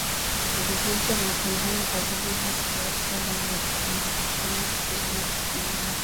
Vijicho na upinzani ukazidi hasa Yerusalemu walipoanza kufanya njama za kumuua